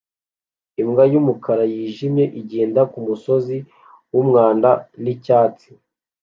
Imbwa y'umukara nijimye igenda kumusozi wumwanda nicyatsi